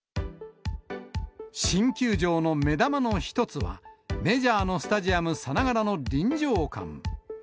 新球場の目玉の一つは、メジャーのスタジアムさながらの臨場感。